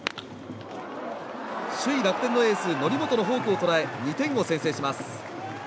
首位楽天のエース則本のフォークを捉え２点を先制します。